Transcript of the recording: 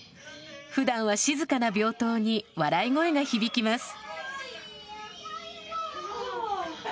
普段は静かな病棟に笑い声が響きます。